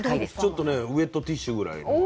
ちょっとねウェットティッシュぐらいの湿り気があるよ。